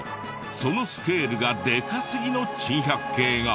そのスケールがでかすぎの珍百景が。